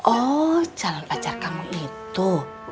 oh jalan pacar kamu itu